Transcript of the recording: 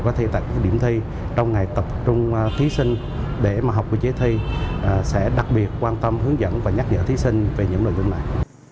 các trưởng điểm thi trong ngày tập trung thí sinh để học quy chế thi sẽ đặc biệt quan tâm hướng dẫn và nhắc nhở thí sinh về những lợi dụng này